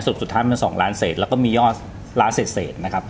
สุดท้ายมัน๒ล้านเศษแล้วก็มียอดล้านเศษนะครับ